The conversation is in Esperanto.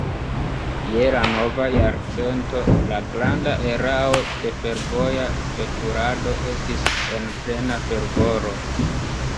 Je la nova jarcento, la granda erao de fervoja veturado estis en plena fervoro.